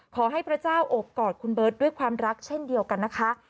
พระเจ้าโอบกอดคุณเบิร์ตด้วยความรักเช่นเดียวกันนะคะ